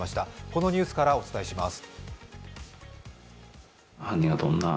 このニュースからお伝えします。